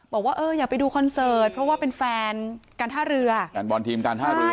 บอกว่าเอออยากไปดูคอนเสิร์ตเพราะว่าเป็นแฟนการท่าเรือแฟนบอลทีมการท่าเรือ